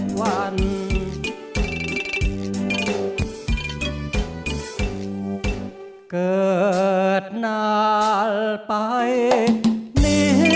อ่มพี่ข้าวมันยังดอกห้อโดนต่อมันต่อยออกตามันย้อยไม่ค่อยพักถอน